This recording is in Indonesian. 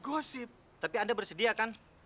oh ue masuk